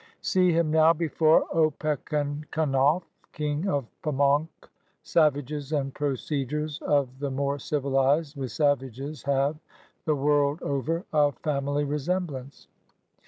See him now before ^'Opechancanough, King of Pamaunck!" Savages and procedures of the more civilized with savages have, the world over, a family resemblance.